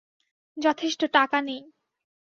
যথেষ্ট টাকা নেই!